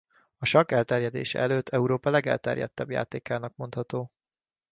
A sakk elterjedése előtt Európa legelterjedtebb játékának mondható.